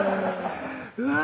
うわ